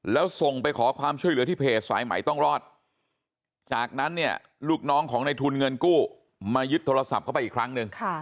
แล้วส่งไปขอความช่วยเหลือที่เพจสายใหม่ต้องรอดจากนั้นเนี่ยลูกน้องของในทุนเงินกู้มายึดโทรศัพท์เข้าไปอีกครั้งหนึ่ง